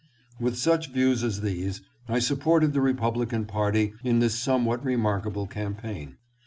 " With such views as these I supported the Republican party in this somewhat remarkable campaign.